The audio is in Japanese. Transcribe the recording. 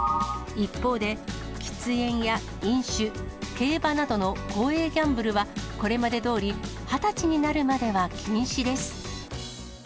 一方で、喫煙や飲酒、競馬などの公営ギャンブルはこれまでどおり、二十歳になるまでは禁止です。